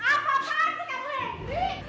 apaan tuh kamu henny